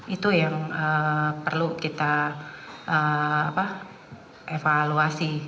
itu yang perlu kita evaluasi